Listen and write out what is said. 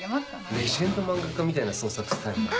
レジェンド漫画家みたいな創作スタイルだな。